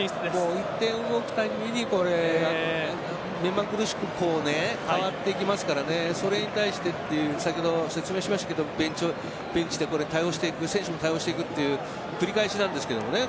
１点、動くたびに目まぐるしく変わっていきますからそれに対して先ほど説明しましたがベンチでこれ、対応していく選手も対応していく繰り返しなんですけどね。